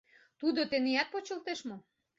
Тудо теният почылтеш мо?